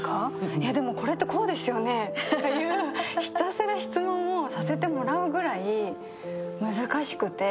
いや、でもこれってこうですよねって、ひたすら質問させてもらうぐらい難しくて。